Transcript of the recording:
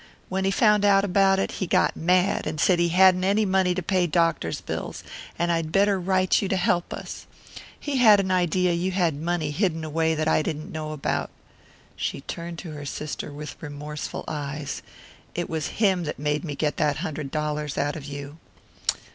When he found out about it, he got mad, and said he hadn't any money to pay doctors' bills, and I'd better write to you to help us. He had an idea you had money hidden away that I didn't know about." She turned to her sister with remorseful eyes. "It was him that made me get that hundred dollars out of you."